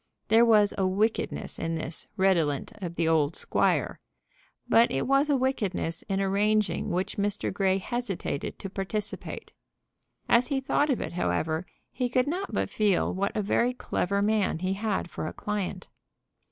There was a wickedness in this redolent of the old squire. But it was a wickedness in arranging which Mr. Grey hesitated to participate. As he thought of it, however, he could not but feel what a very clever man he had for a client.